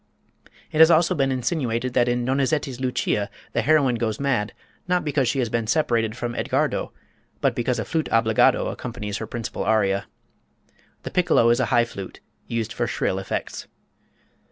It has also been insinuated that in Donizetti's "Lucia" the heroine goes mad, not because she has been separated from Edgardo, but because a flute obbligato accompanies her principal aria. The piccolo is a high flute used for shrill effects.